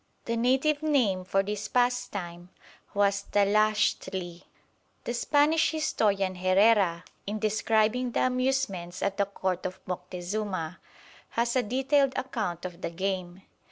The native name for this pastime was Tlachtli. The Spanish historian Herrera, in describing the amusements at the Court of Moctezuma, has a detailed account of the game.